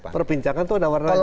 perbincangan itu ada warnanya